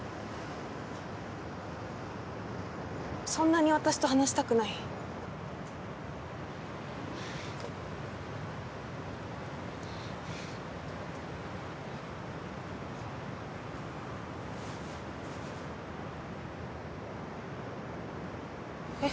そんなに私と話したくない？え？